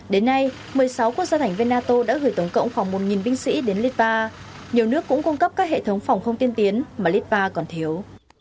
đến nay một mươi sáu quốc gia thành viên nato đã gửi tổng cộng khoảng một binh sĩ đến liba nhiều nước cũng cung cấp các hệ thống phòng không tiên tiến mà litva còn thiếu